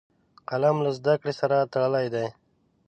قلم له زده کړې سره تړلی دی